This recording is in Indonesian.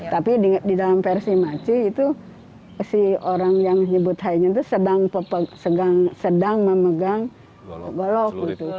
tapi di dalam versi maci itu si orang yang nyebut haiin itu sedang memegang golok gitu